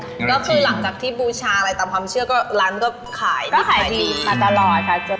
ก็คือหลังจากที่บูชาอะไรตามความเชื่อก็ร้านก็ขายก็ขายดีมาตลอดค่ะ